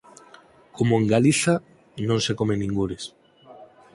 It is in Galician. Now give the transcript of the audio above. Como en Galiza non se come en ningures